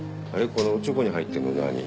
このおちょこに入ってるの何？